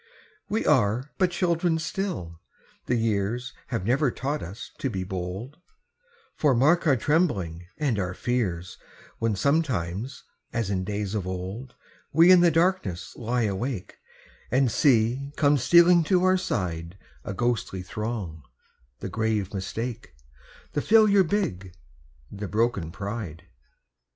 We are but children still, the years Have never taught us to be bold, For mark our trembling and our fears When sometimes, as in days of old, We in the darkness lie awake, And see come stealing to our side A ghostly throng the grave Mistake, The Failure big, the broken Pride.